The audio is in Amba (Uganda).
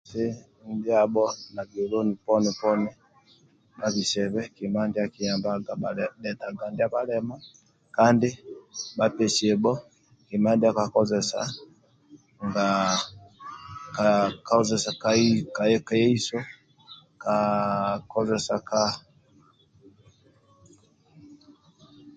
Ndiabho na kioloni poni poni bhabisebe kima ndia akiyambaga dhetaga ndia bhalema kandi bhabisebe kima ndia akiyambaga dhetaga ndia bhalema kandi bhabisebe kandi bhapesuebe bhob kima ndia bhakozesa nga ka iso kozesa ka